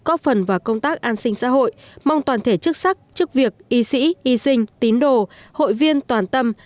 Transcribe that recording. góp phần vào công tác an sinh xã hội mong toàn thể chức sắc chức việc y sĩ y sinh tín đồ hội viên toàn tâm